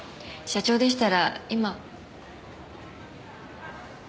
社長でしたら今。